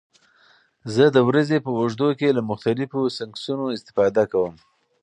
زه د ورځې په اوږدو کې له مختلفو سنکسونو استفاده کوم.